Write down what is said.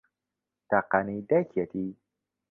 تاقانەی دایکیەتی